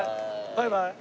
バイバイ。